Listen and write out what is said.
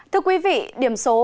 thưa quý vị điểm số